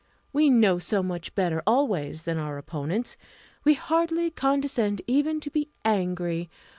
We know so much better always than our opponents, we hardly condescend even to be angry.